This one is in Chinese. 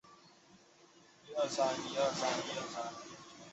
而亚里斯多德在书中讨论的问题成为了形上学的很多基本问题。